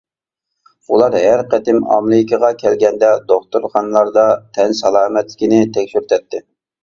ئۇلار ھەر قېتىم ئامېرىكىغا كەلگەندە دوختۇرخانىلاردا تەن سالامەتلىكىنى تەكشۈرتەتتى.